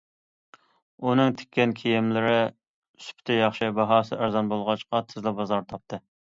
ئۇنىڭ تىككەن كىيىملىرى سۈپىتى ياخشى، باھاسى ئەرزان بولغاچقا، تېزلا بازار تاپتى.